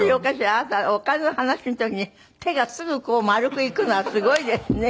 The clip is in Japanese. あなたお金の話の時に手がすぐこう丸くいくのはすごいですね。